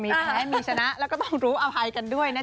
มีแพ้มีชนะแล้วก็ต้องรู้อภัยกันด้วยนะคะ